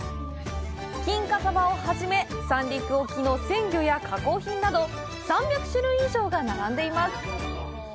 金華サバをはじめ三陸沖の鮮魚や加工品など３００種類以上が並んでいます。